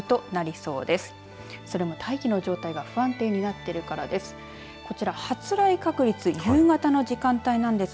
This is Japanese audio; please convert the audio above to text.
それも大気の状態が不安定になっているからです。